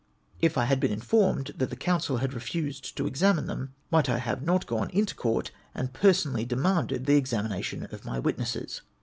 If I had been informed that the counsel had refused to examine them, might I not have gone into Court, and person ally demanded the examination of my witnesses?